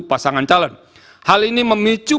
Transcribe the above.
pasangan calon hal ini memicu